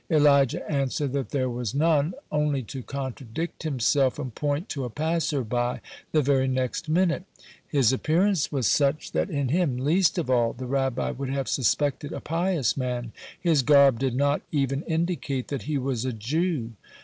Elijah answered that there was none, only to contradict himself and point to a passer by the very next minute. His appearance was such that in him least of all the Rabbi would have suspected a pious man. His garb did not even indicate that he was a Jew.